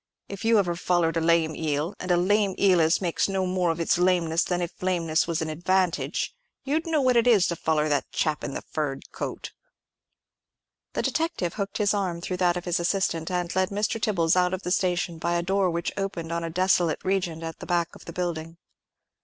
If you ever follered a lame eel—and a lame eel as makes no more of its lameness than if lameness was a advantage—you'd know what it is to foller that chap in the furred coat." The detective hooked his arm through that of his assistant, and led Mr. Tibbles out of the station by a door which opened on a desolate region at the back of that building.